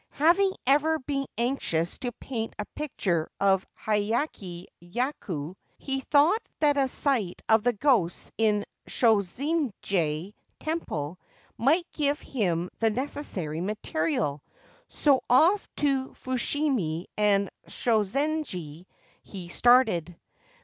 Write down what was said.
Having ever been anxious to paint a picture of Hiyakki Yako, he thought that a sight of the ghosts in Shozenji temple might give him the necessary material : so off to Fushimi and Shozenji he started.